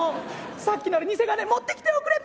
さっきのあの偽金持ってきておくれ！